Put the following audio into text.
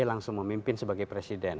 langsung memimpin sebagai presiden